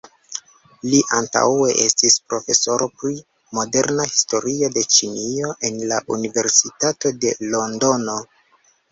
Li antaŭe estis profesoro pri moderna historio de Ĉinio en la Universitato de Londono.